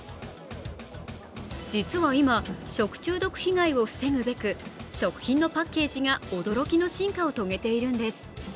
実は今、食中毒被害を防ぐべく、食品のパッケージが驚きの進化を遂げているんです。